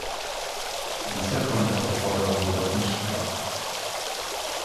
Dieser kam der Aufforderung jedoch nicht nach.